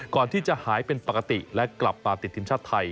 ก่อนที่จะหายเป็นปกติและกลับมาติดทีมชาติไทย